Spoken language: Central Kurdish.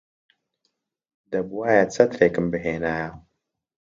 دەبوایە چەترێکم بهێنایە.